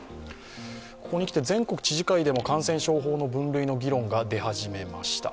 ここにきて全国知事会でもここに感染症法の分類の方法が出ました。